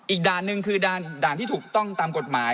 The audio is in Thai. ด่านหนึ่งคือด่านที่ถูกต้องตามกฎหมาย